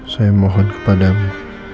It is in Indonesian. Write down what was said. saya mohon kepadamu